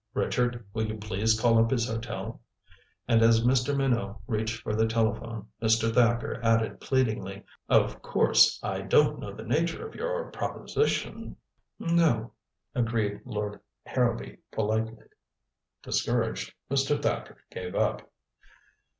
Richard, will you please call up his hotel?" And as Mr. Minot reached for the telephone, Mr. Thacker added pleadingly: "Of course, I don't know the nature of your proposition " "No," agreed Lord Harrowby politely. Discouraged, Mr. Thacker gave up.